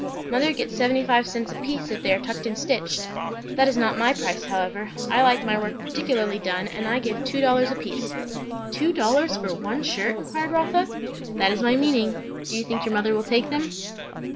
"Mother gets seventy five cents a piece, if they are tucked and stitched." "That is not my price, however. I like my work particularly done, and I give two dollars a piece." "Two dollars for one shirt?" inquired Rotha. "That is my meaning. Do you think your mother will take them?"